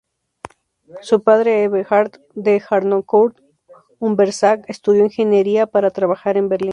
Su padre Eberhard d'Harnoncourt-Unverzagt estudió ingeniería, para trabajar en Berlín.